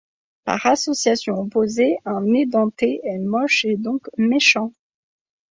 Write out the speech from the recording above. Par association opposée, un édenté est moche et donc méchant.